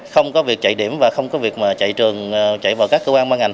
không có việc chạy điểm và không có việc mà chạy trường chạy vào các cơ quan băng ảnh